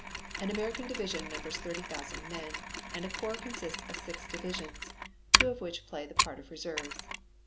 An American division numbers 30,000 men, and a corps consists of six divisions, two of which play the part of reserves.